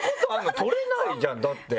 撮れないじゃんだって。